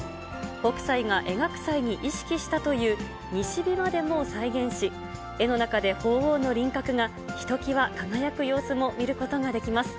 北斎が描く際に意識したという西日までも再現し、絵の中で鳳凰の輪郭がひときわ輝く様子も見ることができます。